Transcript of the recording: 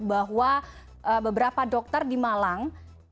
bahwa beberapa dokter di malang